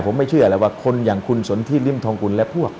ผมไม่เชื่อแล้วว่าคนอย่างคุณสนที่ริมทองกุลและพวก